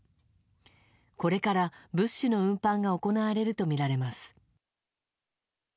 これから物資の運搬が行われるとみられます。